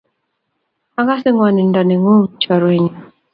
Agase gwanindo nengung, chorwenyu